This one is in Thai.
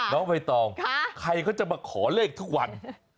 น้องใบตองใครเขาจะมาขอเลขทุกวัน